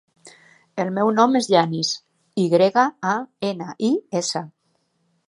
El meu nom és Yanis: i grega, a, ena, i, essa.